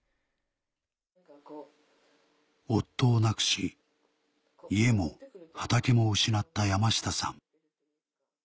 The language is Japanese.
夫を亡くし家も畑も失った山下さん